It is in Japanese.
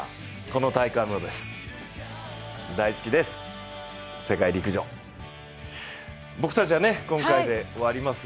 この大会もです。